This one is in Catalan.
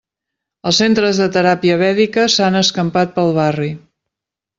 Els centres de teràpia vèdica s'han escampat pel barri.